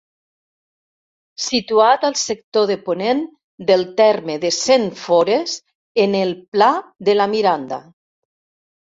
Situat al sector de ponent del terme de Sentfores en el pla de la Miranda.